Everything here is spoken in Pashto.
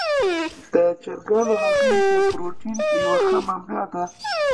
د چرګانو هګۍ د پروټین یوه ښه منبع ده.